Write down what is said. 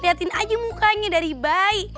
lihatin aja mukanya dari bayi